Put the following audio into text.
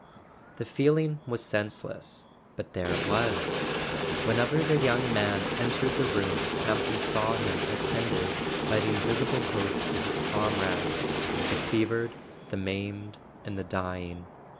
The feeling was senseless; but there it was. Whenever [ 366 ] A SON AT THE FRONT the young man entered the room Campton saw him attended by the invisible host of his comrades, the fevered, the maimed and the dying.